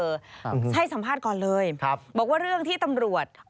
ใช่ค่ะคือให้สัมภาษณ์ก่อนเลยบอกว่าเรื่องที่ตำรวจครับ